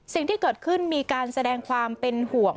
สิ่งที่เกิดขึ้นมีการแสดงความเป็นห่วง